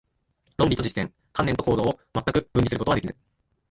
理論と実践、観念と行動を全く分離することはできぬ。